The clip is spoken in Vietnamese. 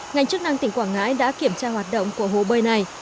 ngành chức năng tỉnh quảng ngãi đã kiểm tra hoạt động của hồ bơi này